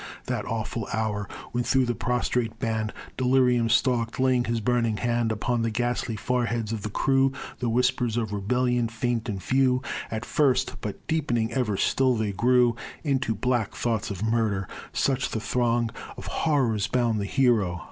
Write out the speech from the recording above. That awful hour, when through the prostrate band Delirium stalk'd, laying his burning hand Upon the ghastly foreheads of the crew. The whispers of rebellion, faint and few At first, but deepening ever till they grew Into black thoughts of murder; such the throng Of horrors bound the hero.